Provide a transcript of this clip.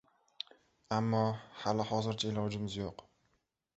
Ammo hali-hozircha ilojimiz yo‘q.